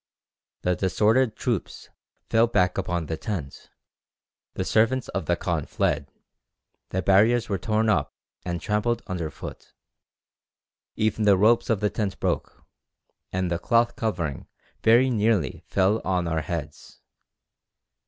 The disordered troops fell back upon the tent, the servants of the khan fled, the barriers were torn up and trampled under foot; even the ropes of the tent broke, and the cloth covering very nearly fell on our heads.